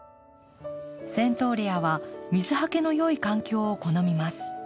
セントーレアは水はけのよい環境を好みます。